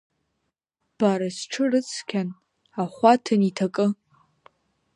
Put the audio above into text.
Бара, сҽы рыцқьан, ахәы аҭан иҭакы.